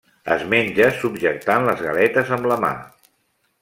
Es menja subjectant les galetes amb la mà.